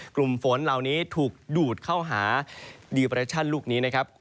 กลุ่มฝนเหล่านี้ถูกดูดเข้าหาดีเปรชั่นลูกนี้นะครับ